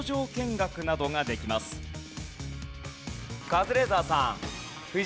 カズレーザーさん。